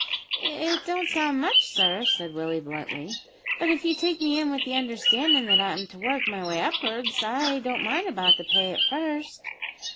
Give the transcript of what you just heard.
"It don't sound much, sir," said Willie bluntly, "but if you take me in with the understandin' that I'm to work my way up'ards, I don't mind about the pay at first."